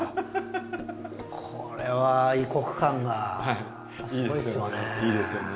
これは異国感がすごいですよね。